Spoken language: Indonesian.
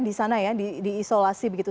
di sana ya di isolasi begitu